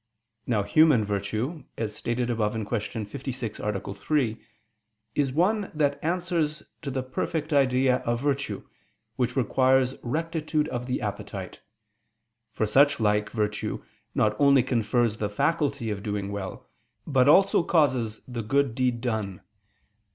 Now human virtue, as stated above (Q. 56, A. 3), is one that answers to the perfect idea of virtue, which requires rectitude of the appetite: for such like virtue not only confers the faculty of doing well, but also causes the good deed done.